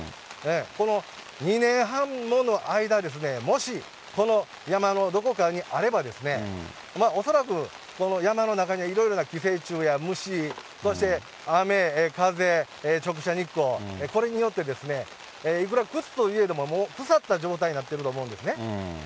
この２年半もの間ですね、もしこの山のどこかにあればですね、恐らく、この山の中にはいろいろな寄生虫や虫、そして雨、風、直射日光、これによって、いくら靴といえども、腐った状態になってると思うんですね。